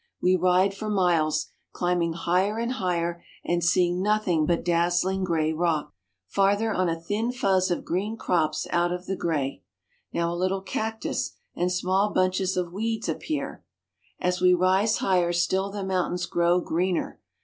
We ride for miles, climbing higher and higher, and seeing nothing but dazzling gray rock. Farther on a thin fuzz of green crops out of the gray. Now a Httle cactus and small bunches of weeds appear. Fruit Sellers at Railroad Station. As we rise higher still the mountains grow greener.